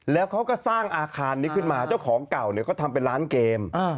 แล้วเขาก็สร้างอาคารนี้ขึ้นมาเจ้าของเก่าเนี่ยก็ทำเป็นร้านเกม